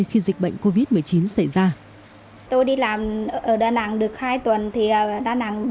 khi dịch bệnh covid một mươi chín xảy ra